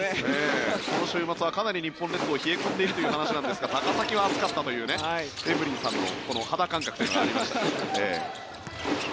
この週末はかなり日本列島冷え込んでいるという話なんですが高崎は熱かったというエブリンさんの肌感覚というのがありました。